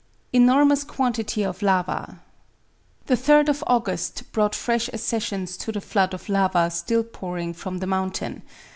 ENORMOUS QUANTITY OF LAVA The 3rd of August brought fresh accessions to the flood of lava still pouring from the mountain.